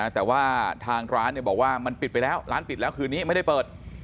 แต่ว่าทางร้านบอกว่ามันปิดไปแล้วร้านปิดแล้วคืนนี้ไม่ได้เปิด